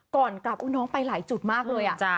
ก่อนกลับอุ้ยน้องไปหลายจุดมากเลยอ่ะ